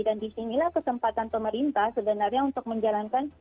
dan disinilah kesempatan pemerintah sebenarnya untuk menjalankan